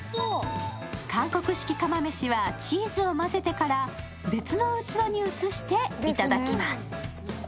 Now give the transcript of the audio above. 韓国式釜めしはチーズを混ぜてから別の器に移していただきます。